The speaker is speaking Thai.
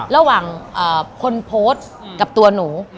ระหว่างคนโพสต์กับตัวหนู